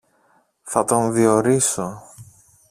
Θα τον διορίσω.